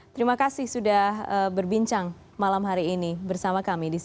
terima kasih sudah berbincang malam hari ini bersama kami di cnn